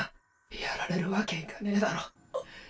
やられるわけいかねぇだろ。っ！